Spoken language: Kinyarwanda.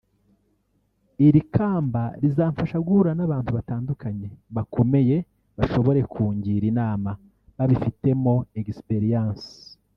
Iri kamba rizamfasha guhura n’abantu batandukanye bakomeye bashobora kungira inama babifitemo experience